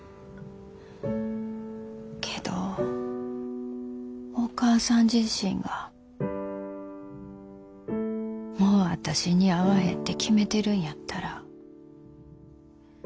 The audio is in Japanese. けどお母さん自身がもう私に会わへんて決めてるんやったら。